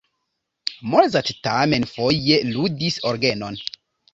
Mozart tamen foje ludis orgenon.